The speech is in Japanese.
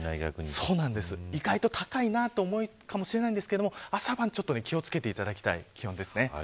意外と高いなと思うかもしれませんが、朝晩気を付けていただきたいです。